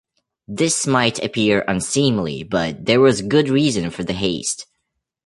This might appear unseemly, but there was good reason for the haste.